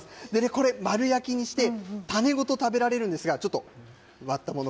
これ丸焼きにして種ごと食べられるんですがちょっと割ったもの